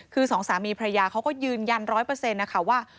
คือสองสามีภรรยาเขาก็ยืนยันร้อยเปอร์เซ็นต์นะคะว่า